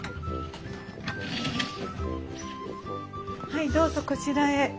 はいどうぞこちらへ。